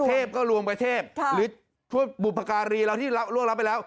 เทพก็รวมกับเทพหรือทั่วบุพการีเราที่ร่วงรับไปแล้ว